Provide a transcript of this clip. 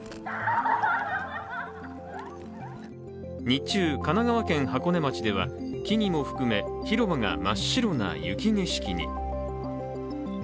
日中、神奈川県箱根町では木々も含め、広場が真っ白な雪景色に。